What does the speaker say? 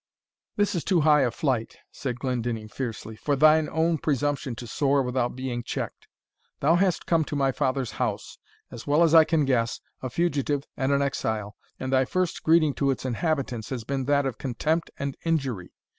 "This is too high a flight," said Glendinning, fiercely, "for thine own presumption to soar without being checked. Thou hast come to my father's house, as well as I can guess, a fugitive and an exile, and thy first greeting to its inhabitants has been that of contempt and injury.